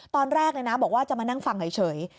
ตอนแรกเลยนะบอกว่าจะมานั่งฟังเฉย